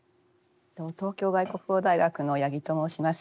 東京外国語大学の八木と申します。